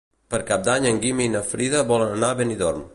Per Cap d'Any en Guim i na Frida volen anar a Benidorm.